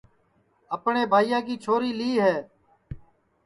اپٹؔے بھائیا کی چھوری لی ہے